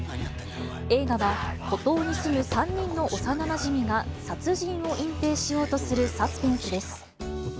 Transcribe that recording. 映画は孤島に住む３人の幼なじみが、殺人を隠蔽しようとするサスペンスです。